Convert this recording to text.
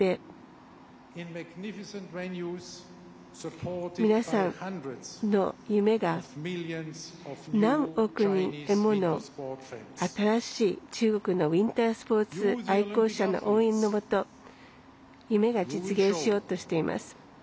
中国で皆さんの夢が何億人もの新しい中国のウインタースポーツ愛好者の応援のもと夢が実現しようとしています。